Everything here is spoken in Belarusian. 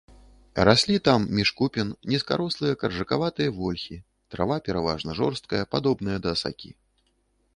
Раслі там між купін нізкарослыя, каржакаватыя вольхі, трава пераважна жорсткая, падобная да асакі.